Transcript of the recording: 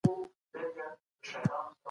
ترافیکي اصول باید مراعات شي.